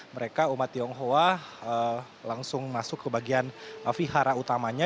mereka umat tionghoa langsung masuk ke bagian vihara utamanya